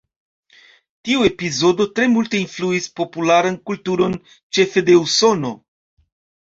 Tio epizodo tre multe influis popularan kulturon, ĉefe de Usono.